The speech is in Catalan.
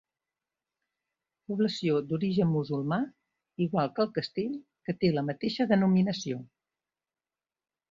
Població d'origen musulmà, igual que el castell, que té la mateixa denominació.